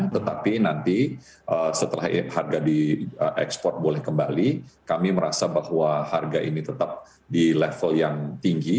tetapi nanti setelah harga diekspor boleh kembali kami merasa bahwa harga ini tetap di level yang tinggi